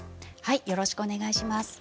よろしくお願いします。